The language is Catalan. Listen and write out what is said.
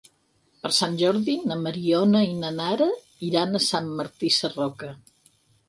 Per Sant Jordi na Mariona i na Nara iran a Sant Martí Sarroca.